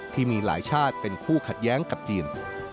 ที่มีหลายชาติเป็นคู่ขัดแย้งกับจีน